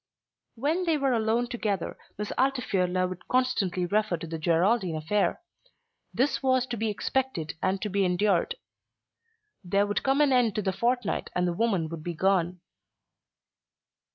When they were alone together Miss Altifiorla would constantly refer to the Geraldine affair. This was to be expected and to be endured. There would come an end to the fortnight and the woman would be gone.